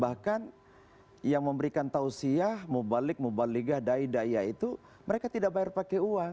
bahkan yang memberikan tausiyah mubalik mubaligah daya itu mereka tidak bayar pakai uang